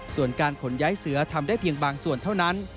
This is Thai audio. ส่วนการขนย้ายเสือทำได้เพียงบางส่วนเท่านั้น